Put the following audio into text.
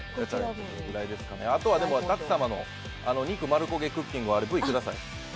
あとは舘様の肉丸焦げクッキングＶください。